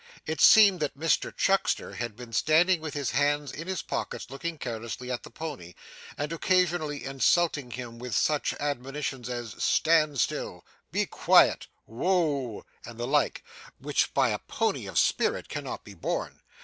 It seemed that Mr Chuckster had been standing with his hands in his pockets looking carelessly at the pony, and occasionally insulting him with such admonitions as 'Stand still,' 'Be quiet,' 'Woa a a,' and the like, which by a pony of spirit cannot be borne.